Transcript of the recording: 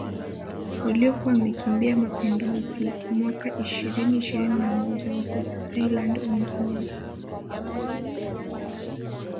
waliokuwa wamekimbia mapinduzi mwaka ishirini ishirini na moja wako Thailand wengi wao